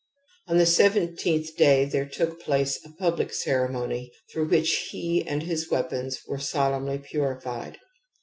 On the seventeenth day there topk place a public ceremony through which he and his weapons were solemnly purified.